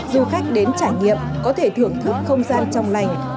du khách đến trải nghiệm có thể thưởng thức không gian trong lành